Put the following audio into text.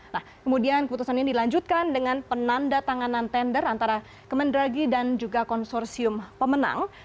nah kemudian keputusan ini dilanjutkan dengan penanda tanganan tender antara kemendagri dan juga konsorsium pemenang